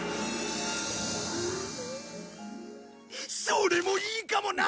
それもいいかもな！